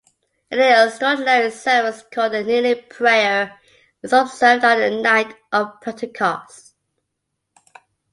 An extraordinary service called the Kneeling Prayer, is observed on the night of Pentecost.